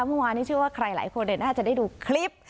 เมื่อวานนี้เชื่อว่าใครหลายคนน่าจะได้ดูคลิป